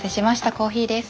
コーヒーです。